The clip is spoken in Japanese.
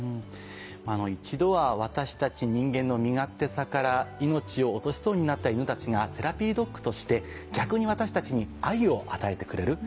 一度は私たち人間の身勝手さから命を落としそうになった犬たちがセラピードッグとして逆に私たちに愛を与えてくれる。